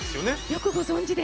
よくご存じで！